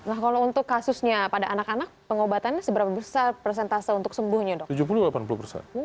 nah kalau untuk kasusnya pada anak anak pengobatannya seberapa besar persentase untuk sembuhnya dok